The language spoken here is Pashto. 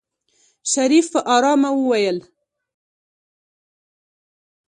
شريف په آرامه وويل.